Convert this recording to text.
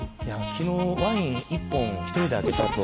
昨日ワイン１本１人で開けた後。